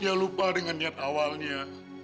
dia lupa dengan niat awalnya